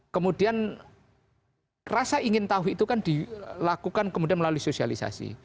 kemudian rasa ingin tahu itu kan dilakukan kemudian melalui sosialisasi